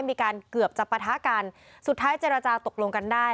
มีการเกือบจะปะทะกันสุดท้ายเจรจาตกลงกันได้